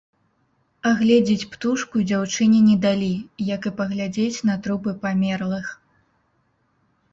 Агледзець птушку дзяўчыне не далі, як і паглядзець на трупы памерлых.